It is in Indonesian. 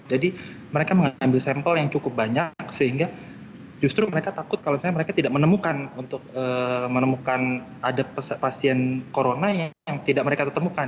jadi mereka mengambil sampel yang cukup banyak sehingga justru mereka takut kalau mereka tidak menemukan untuk menemukan ada pasien corona yang tidak mereka ketemukan